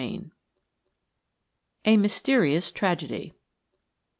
XIV. A MYSTERIOUS TRAGEDY.